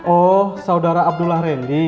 oh saudara abdullah randy